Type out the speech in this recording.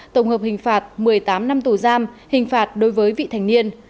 tổng hợp hình phạt một mươi tám năm tù giam hình phạt đối với vị thành niên